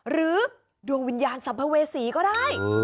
ดวงวิญญาณสัมภเวษีก็ได้